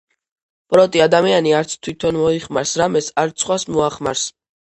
ბოროტი ადამიანი არც თვითონ მოიხმარს რამეს, არც სხვას მოახმარს